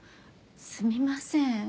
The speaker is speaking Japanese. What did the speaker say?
すみません